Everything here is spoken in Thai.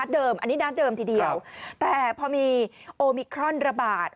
เดิมอันนี้นะเดิมทีเดียวแต่พอมีโอมิครอนระบาด